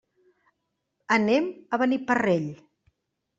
Anem a Beniparrell.